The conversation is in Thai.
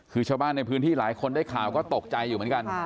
คือชาวบ้านในพื้นที่หลายคนได้ข่าวก็ตกใจอยู่เหมือนกัน